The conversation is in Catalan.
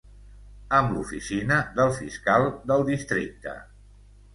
Amb l'oficina del Fiscal del Districte.